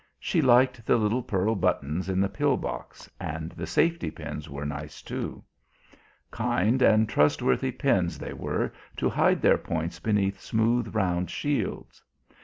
She liked the little pearl buttons in the pill box, and the safety pins were nice too. Kind and trustworthy pins they were to hide their points beneath smooth round shields.